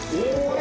え！